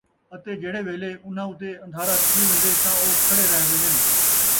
اَتے جِہڑے ویلے اُنہاں اُتے اَندھارا تھی ویندے تاں او کھڑے رہ وین٘دن۔